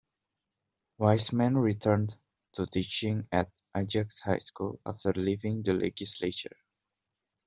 Wiseman returned to teaching at Ajax High School after leaving the legislature.